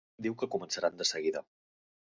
Diu que començaran de seguida.